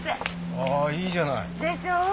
ああいいじゃない。でしょう。